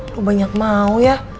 lo banyak mau ya